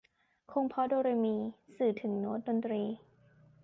คงเพราะโดเรมี สื่อถึงโน๊ตดนตรี